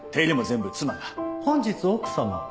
本日奥様は？